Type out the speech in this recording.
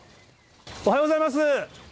おはようございます。